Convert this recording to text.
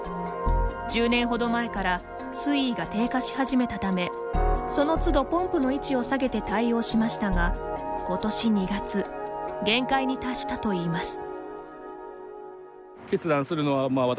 １０年程前から水位が低下し始めたためそのつどポンプの位置を下げて対応しましたが今年２月限界に達したといいます。